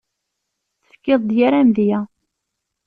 Tefkiḍ-d yir amedya.